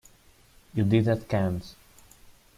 You did at Cannes.